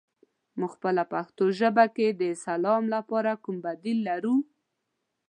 موږ پخپله پښتو ژبه کې د سلام لپاره کوم بدیل لرو؟